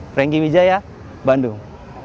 franky wijaya bandung